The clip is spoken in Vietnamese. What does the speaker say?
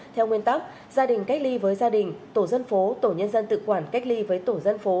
theo nguyên tắc gia đình cách ly với gia đình tổ dân phố tổ nhân dân tự quản cách ly với tổ dân phố